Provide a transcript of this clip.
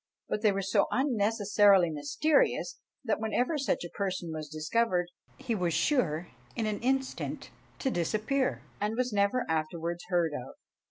but they were so unnecessarily mysterious, that whenever such a person was discovered, he was sure in an instant to disappear, and was never afterwards heard of.